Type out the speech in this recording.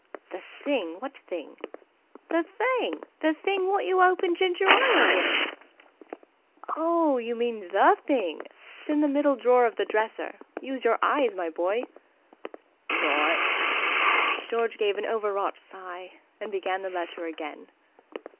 "The thing? What thing?" "The thing. The thing wot you open ginger ile with." "Oh, you mean the thing? It's in the middle drawer of the dresser. Use your eyes, my boy!" "Wri'". George gave an overwrought sigh and began the letter again.